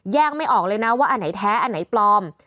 ไม่ออกเลยนะว่าอันไหนแท้อันไหนปลอม